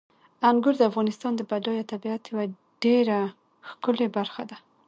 انګور د افغانستان د بډایه طبیعت یوه ډېره ښکلې برخه ده.